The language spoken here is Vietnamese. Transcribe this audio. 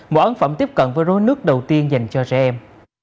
mỗi ấn phẩm tiếp cận với rối nước đầu tiên dành cho trẻ em